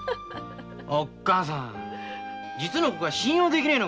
おっかさん実の子が信用できねえのかよ！